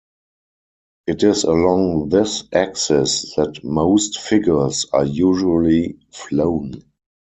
It is along this axis that most figures are usually flown.